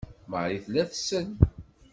Marie tella tsell.